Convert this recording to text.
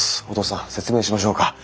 お父さん説明しましょうか。